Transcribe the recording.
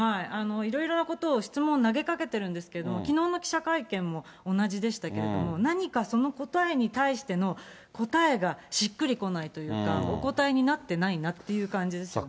いろいろなことを質問投げかけてるんですけれども、きのうの記者会見も同じでしたけれども、何かその答えに対しての答えがしっくりこないというか、お答えになってないなっていう感じですよね。